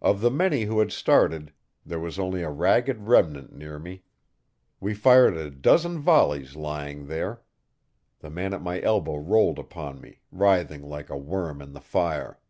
Of the many who had started there was only a ragged remnant near me. We fired a dozen volleys lying there. The man at my elbow rolled upon me, writhing like a worm in the fire.